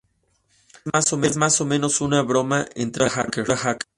Es más o menos una broma entre la cultura hacker.